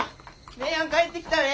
姉やん帰ってきたで！